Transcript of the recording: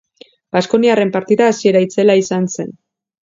Baskoniarren partida hasiera itzela izan zen.